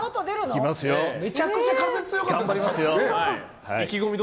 めちゃくちゃ風強かったけど。